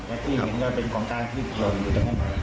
และอีกหนึ่งก็เป็นของการที่ลงอยู่ตรงนั้น